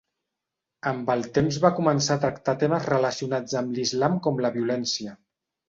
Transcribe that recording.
Amb el temps va començar a tractar temes relacionats amb l'Islam com la violència.